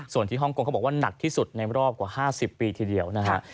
ส่วนที่ฮ่องกงเขาบอกว่าหนักที่สุดในรอบกว่า๕๐ปีทีเดียวนะฮะ